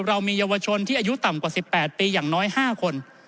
เรามีเยาวชนที่อายุต่ำกว่า๑๘ปีอย่างน้อย๕คน